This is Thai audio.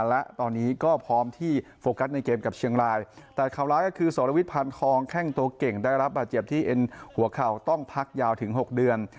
และตอนนี้ก็พร้อมที่โฟกัสในเกมกับเชียงรายแต่ข่าวร้ายก็คือสรวิทยพันธองแข้งตัวเก่งได้รับบาดเจ็บที่เอ็นหัวเข่าต้องพักยาวถึง๖เดือน